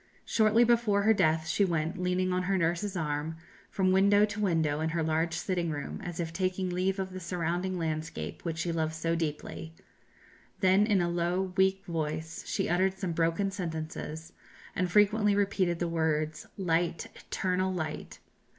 Shortly before her death, she went, leaning on her nurse's arm, from window to window in her large sitting room, as if taking leave of the surrounding landscape which she loved so deeply. Then in a low weak voice she uttered some broken sentences, and frequently repeated the words, "Light, eternal light!"